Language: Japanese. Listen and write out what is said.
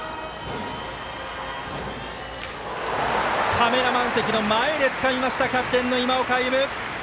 カメラマン席の前でつかみましたキャプテンの今岡歩夢。